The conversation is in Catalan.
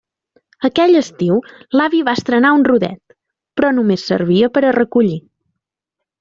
Aquell estiu l'avi va estrenar un rodet, però només servia per a recollir.